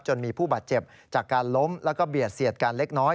จนมีผู้บาดเจ็บจากการล้มแล้วก็เบียดเสียดกันเล็กน้อย